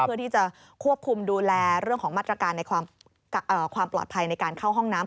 เพื่อที่จะควบคุมดูแลเรื่องของมาตรการในความปลอดภัยในการเข้าห้องน้ำ